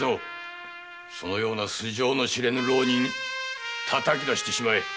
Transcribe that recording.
そのような素性の知れぬ浪人たたき出してしまえ！